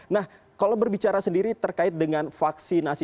nah kalau berbicara sendiri terkait dengan vaksinasi